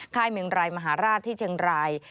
เมืองรายมหาราชที่เชียงราย